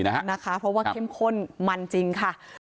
เพราะว่าเข้มข้นมันจริงค่ะ